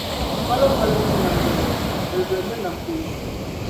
Palo palo ku nam yoli, bilibili ni nam palo.